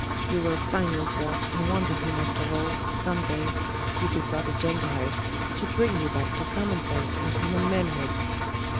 You will find yourselves in want of him after all, some day, you besotted Gentiles, to bring you back to common sense and common manhood.